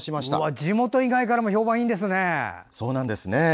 地元以外からも評判いいんですね。